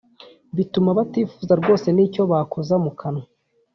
bituma batakifuza rwose n’icyo bakoza mu kanwa.